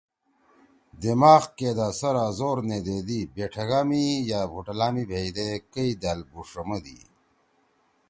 دماغ کے دا سرا زور نے دیدیبیٹھگا می یا ہوٹلا می بھئیدے کئی دأل بُوݜمَدی۔